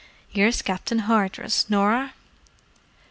"Here's Captain Hardress, Norah."